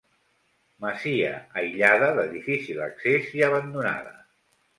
Masia aïllada, de difícil accés i abandonada.